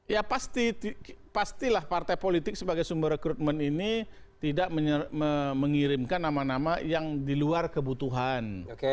ya pastilah partai politik sebagai sumber rekrutmen ini tidak mengirimkan nama nama yang di luar kebutuhan